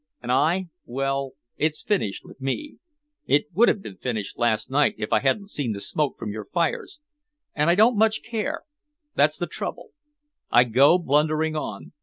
And I well, it's finished with me. It would have been finished last night if I hadn't seen the smoke from your fires, and I don't much care that's the trouble. I go blundering on.